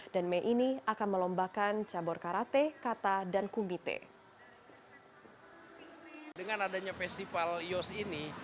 dan mei ini akan melomba kembali